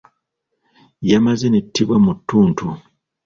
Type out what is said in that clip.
Yamaze n'ettibwa mu ttuntu.